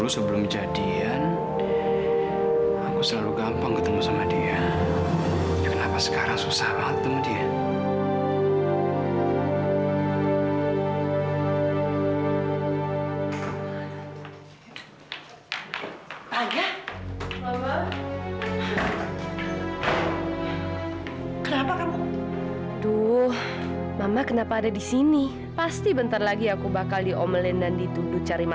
sampai jumpa di video selanjutnya